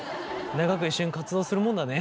長く一緒に活動するもんだね。